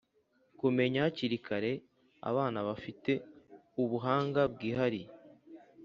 kumenya hakiri kare abana bafite ubuhanga bwihariye